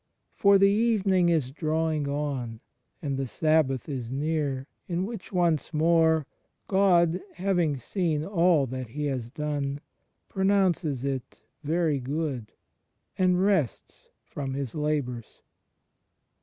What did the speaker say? For the evening is drawing on and the Sabbath is near in which once more, God, having seen all that He has done, pronoimces it "Very good" and rests from His labours.